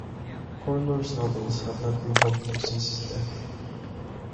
Horler's novels have not been popular since his death.